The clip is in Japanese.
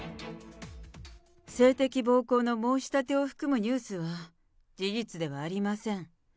性的暴行の申し立てを含むニュースは、事実ではありません。